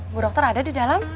ibu dokter ada di dalam